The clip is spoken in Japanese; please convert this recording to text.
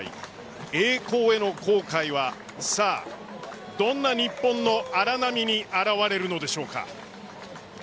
栄光への航海はさあ、どんな日本の荒波に現れるのでしょうか。